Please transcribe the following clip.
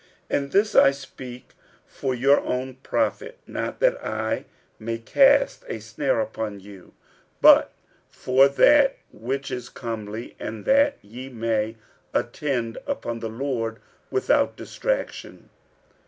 46:007:035 And this I speak for your own profit; not that I may cast a snare upon you, but for that which is comely, and that ye may attend upon the Lord without distraction.